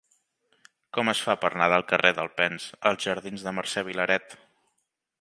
Com es fa per anar del carrer d'Alpens als jardins de Mercè Vilaret?